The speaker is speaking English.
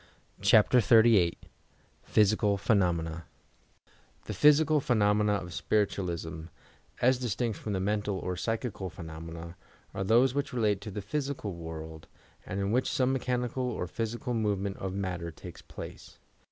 CHAPTES XXXVIII PHYSICAL PHENOUENA The physical phenomena o£ spiritualism, as distmS from the mental or psychical phenomena, are those which relate to the physical world, and in which some mechani cal or physical movement o£ matter takes place.